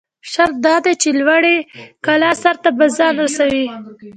شرط دا دى، چې لوړې کلا سر ته به ځان رسوٸ.